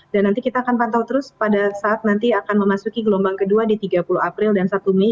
nanti kita akan pantau terus pada saat nanti akan memasuki gelombang kedua di tiga puluh april dan satu mei